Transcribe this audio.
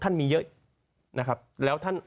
มีเยอะนะครับแล้วท่าน